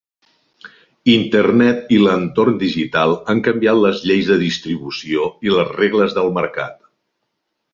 Internet i l'entorn digital han canviat les lleis de distribució i les regles del mercat.